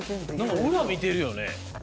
裏見てるよね。